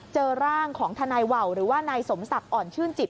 เจอร่างของทนายว่าวหรือว่านายสมศักดิ์อ่อนชื่นจิต